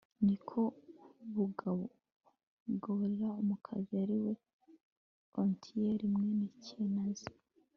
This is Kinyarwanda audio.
ni ko kubagoborera umukiza: ari we otinyeli mwene kenazi